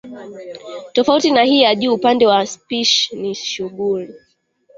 Tofauti na hii ya juu upande wa spishi ni shughuli